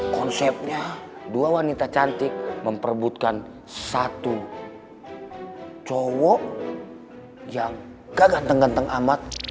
konsepnya dua wanita cantik memperbutkan satu cowok yang gaganteng ganteng amat